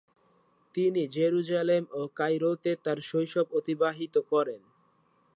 তিনি জেরুজালেম ও কায়রোতে তাঁর শৈশব অতিবাহিত করেন।